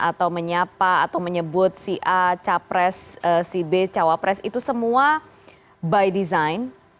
atau menyapa atau menyebut si a capres si b cawapres itu semua by design